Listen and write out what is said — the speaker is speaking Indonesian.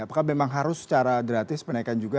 apakah memang harus secara gratis penaikan juga